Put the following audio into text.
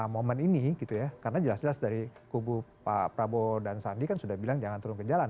momen ini gitu ya karena jelas jelas dari kubu pak prabowo dan sandi kan sudah bilang jangan turun ke jalan